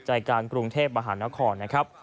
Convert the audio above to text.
ใจกลางกรุงเทพมหานครนะครับ